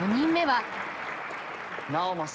直政。